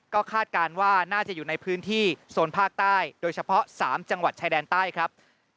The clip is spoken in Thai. ก็คาดการณ์ว่าน่าจะอยู่ในพื้นที่โซนภาคใต้โดยเฉพาะ๓จังหวัดชายแดนใต้ครับ